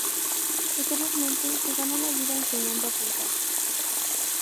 Posteriormente, se ganó la vida enseñando a pintar.